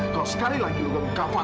kalau sekali lagi lu ngambil kaka atau kami